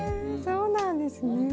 そうなんですね。